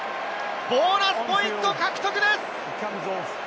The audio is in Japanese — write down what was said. ボーナスポイント獲得です！